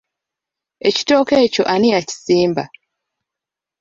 Ekitooke ekyo ani yakisimba?